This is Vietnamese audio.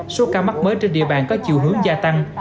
số ca mắc mới trên địa bàn có chiều hướng gia tăng